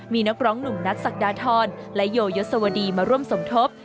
มีนักร้องหนุ่มนัทศักดาทรและโยยศวดีมาร่วมสมทบ